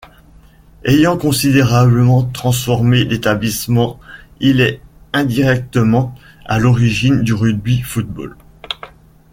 Ayant considérablement transformé l'établissement, il est indirectement à l’origine du rugby-football.